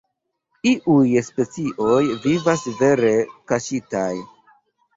Iuj specioj vivas vere kaŝitaj.